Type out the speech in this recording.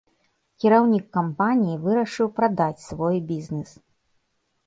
Кіраўнік кампаніі вырашыў прадаць свой бізнэс.